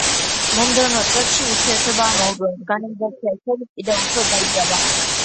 მომდევნო წლებში ურთიერთობა ამ ორ ორგანიზაციას შორის კიდევ უფრო დაიძაბა.